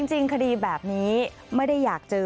จริงคดีแบบนี้ไม่ได้อยากเจอ